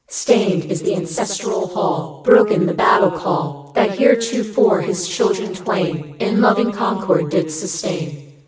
Stained is the ancestral hall, I 2 Broken the battle call, That heretofore his children twain In loving concord did sustain.